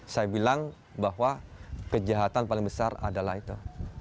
saya bilang bahwa kejahatan paling besar adalah itu